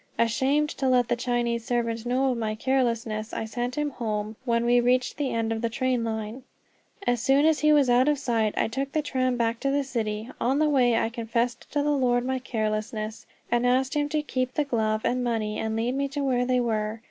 Ashamed to let the Chinese servant know of my carelessness, I sent him home when we reached the end of the tram line. As soon as he was out of sight I took the tram back to the city. On the way I confessed to the Lord my carelessness, and asked him to keep the glove and money, and lead me to where they were.